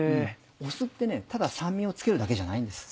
酢ってねただ酸味を付けるだけじゃないんです。